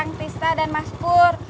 kang trista dan mas pur